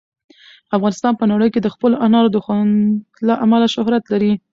افغانستان په نړۍ کې د خپلو انارو د خوند له امله شهرت لري.